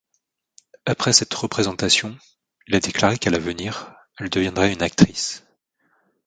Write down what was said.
Après cette représentation, il a déclaré qu'à l'avenir, elle deviendrait une actrice.